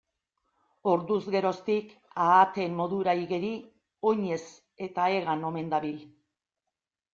Orduz geroztik, ahateen modura igeri, oinez eta hegan omen dabil.